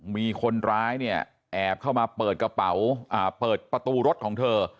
มีคนร้ายเนี่ยแอบเข้ามาเปิดกระเป๋าเปิดประตูรถของเธอ